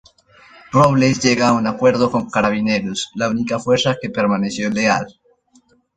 Robles llega a un acuerdo con Carabineros, la única fuerza que permaneció leal.